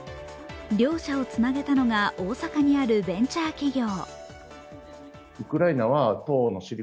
両者をつなげたのが、大阪にあるベンチャー企業。